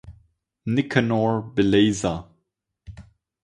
Nicanor Belleza.